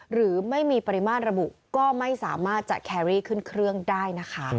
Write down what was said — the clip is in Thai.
หรือไม่มีปริมาตรระบุก็ไม่สามารถจะแครรี่ขึ้นเครื่องได้นะคะ